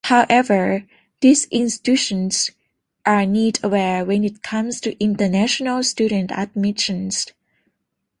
However, these institutions are need-aware when it comes to international student admissions.